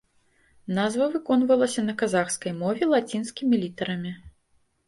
Назва выконвалася на казахскай мове лацінскімі літарамі.